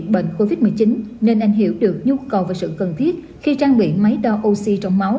bệnh covid một mươi chín nên anh hiểu được nhu cầu và sự cần thiết khi trang bị máy đo oxy trong máu